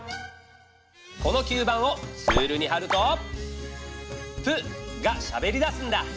この吸盤をツールにはると「プ」がしゃべりだすんだ。